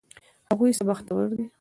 هغوی څه بختور دي!